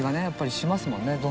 やっぱりしますもんね。